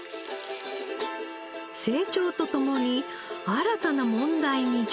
成長とともに新たな問題に直面します。